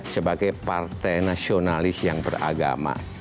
sebagai partai nasionalis yang beragama